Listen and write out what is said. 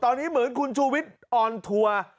ตอนนี้เหมือนคุณชูวิทย์ออนทัวร์